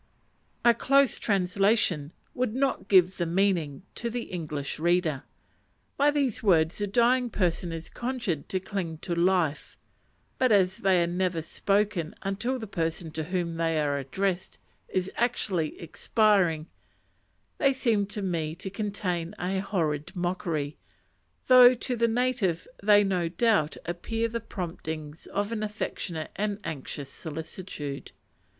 _ A close translation would not give the meaning to the English reader. By these words the dying person is conjured to cling to life, but as they are never spoken until the person to whom they are addressed is actually expiring, they seemed to me to contain a horrid mockery, though to the native they no doubt appear the promptings of an affectionate and anxious solicitude.